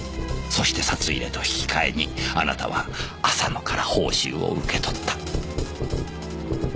そして札入れと引き換えにあなたは浅野から報酬を受け取った。